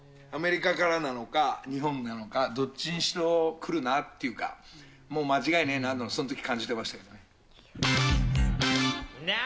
アメリカからなのか、日本なのか、どっちにしろくるなっていうか、もう間違いねえなっていうのを、そのとき感じてましたね。